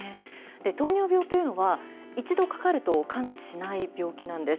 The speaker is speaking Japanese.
糖尿病というのは、一度かかると完治しない病気なんです。